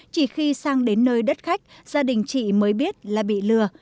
chỉ khi sang đến nơi đất khách gia đình chị mới biết là bị lừa